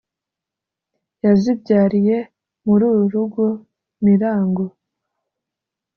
yazibyariye muri uru rugo mirango